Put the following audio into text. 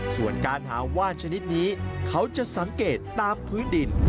ส่วนการหาว่านชนิดนี้เขาจะสังเกตตามพื้นดิน